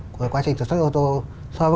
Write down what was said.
của quá trình sản xuất ô tô so với